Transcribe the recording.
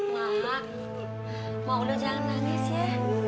mak mau lo jangan nangis ya